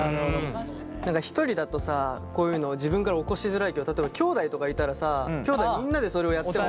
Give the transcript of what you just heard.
何か一人だとさこういうのを自分から起こしづらいけど例えばきょうだいとかいたらさきょうだいみんなでそれをやっても。